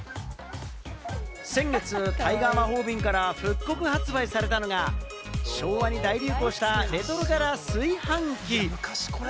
先月、タイガー魔法瓶から復刻発売されたのが昭和に大流行した、レトロ柄炊飯器。